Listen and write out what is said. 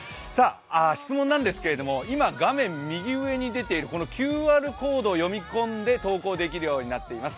質問なんですけれども、今、画面右上に出ているＱＲコードを読み込んで、投稿できるようになっています。